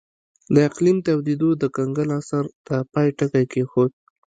د اقلیم تودېدو د کنګل عصر ته پای ټکی کېښود.